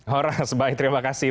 horas baik terima kasih